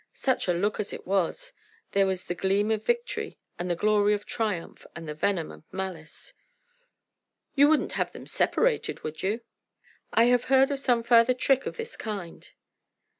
Such a look as it was! There was the gleam of victory, and the glory of triumph, and the venom of malice. "You wouldn't have them separated, would you?" "I have heard of some farther trick of this kind."